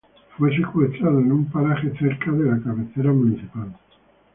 Fue secuestrado en paraje cerca a la cabecera municipal.